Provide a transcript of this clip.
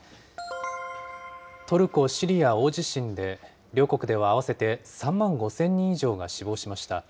トルコ・シリア大地震で、両国では合わせて３万５０００人以上が死亡しました。